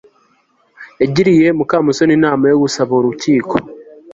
yagiriye mukamusoni inama yo gusaba urukiko